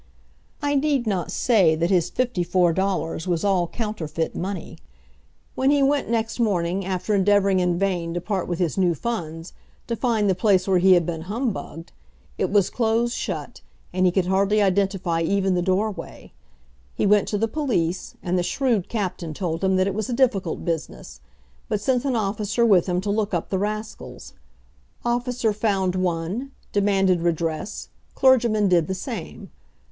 I need not say that his fifty four dollars was all counterfeit money. When he went next morning, after endeavoring in vain to part with his new funds, to find the place where he had been humbugged, it was close shut, and he could hardly identify even the doorway. He went to the police, and the shrewd captain told him that it was a difficult business; but sent an officer with him to look up the rascals. Officer found one; demanded redress; clergyman did the same.